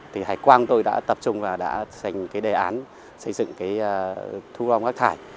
thì hải quang tôi đã tập trung và đã sành cái đề án xây dựng cái thu gom rác thải